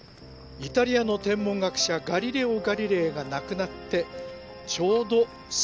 イタリアの天文学者ガリレオ・ガリレイが亡くなってちょうど３００年になるんです。